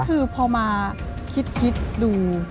คือพอมาคิดดู